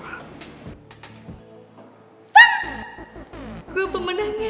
wah gue pemenangnya